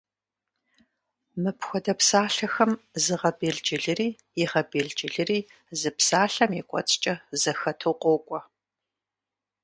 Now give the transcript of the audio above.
Мыпхуэдэ псалъэхэм зыгъэбелджылыри, игъэбелджылыри зы псалъэм и кӏуэцӏкӏэ зэхэту къокӏуэ.